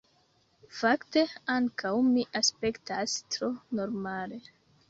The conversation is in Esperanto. Fakte, ankaŭ mi aspektas tro normale.